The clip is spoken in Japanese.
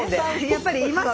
やっぱりいますね。